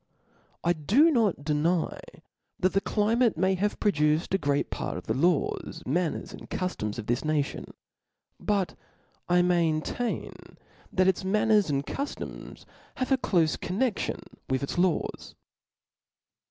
I do not deny that the climate may have pro duced great part of the laws, manners, and cuftoms of this nation ; but I maintain that its manners and ' cuftoms, have a clofe connexion with its laws.